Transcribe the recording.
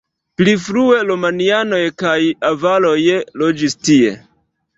Pli frue romianoj kaj avaroj loĝis tie.